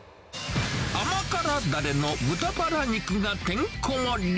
甘辛だれの豚ばら肉が、てんこ盛り。